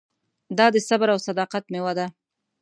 دا د صبر او صداقت مېوه ده.